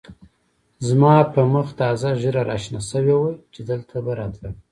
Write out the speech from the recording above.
زما په مخ تازه ږېره را شنه شوې وه چې دلته به راتلم.